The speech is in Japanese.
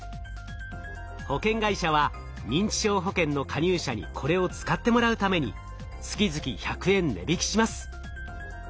保険会社は認知症保険の加入者にこれを使ってもらうために月々１００円値引きします。